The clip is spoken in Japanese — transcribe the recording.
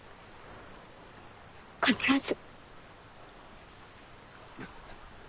必ず。